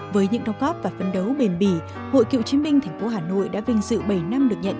với những đồng góp và phân đấu bền bỉ hội cựu chiến binh thành phố hà nội đã vinh dự bảy năm được nhận